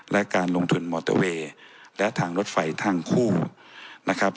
และการลงทุนมอเตอร์เวย์และทางรถไฟทางคู่นะครับ